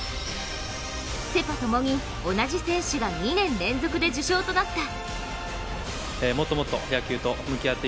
セ・パ共に同じ選手が２年連続で受賞となった。